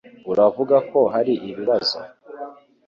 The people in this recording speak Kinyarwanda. Uravuga ko hari ibibazo